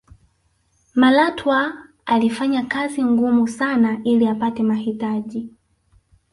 malatwa alifanya kazi ngumu sana ili apate mahitaji